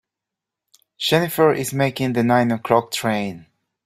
Jennifer is making the nine o'clock train.